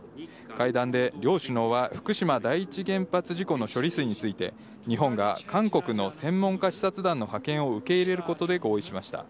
会談で両首脳は、福島第一原発事故の処理水について、日本が韓国の専門家視察団の派遣を受け入れることで合意しました。